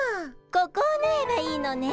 ここをぬえばいいのね？